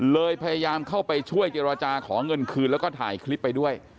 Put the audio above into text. พยายามเข้าไปช่วยเจรจาขอเงินคืนแล้วก็ถ่ายคลิปไปด้วย